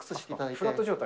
フラット状態。